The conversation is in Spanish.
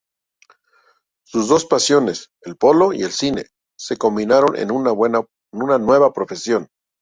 Sus dos pasiones, el polo y el cine, se combinaron en una nueva profesión.